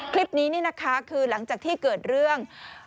คลิปนี้นี่นะคะคือหลังจากที่เกิดเรื่อง